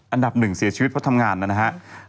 อันดับหนึ่งเสียชีวิตเพราะทำงานนะครับ